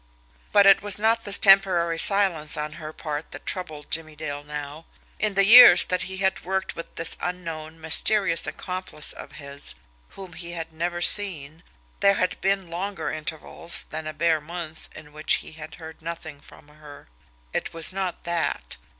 But it was not this temporary silence on her part that troubled Jimmie Dale now. In the years that he had worked with this unknown, mysterious accomplice of his whom he had never seen, there had been longer intervals than a bare month in which he had heard nothing from her it was not that.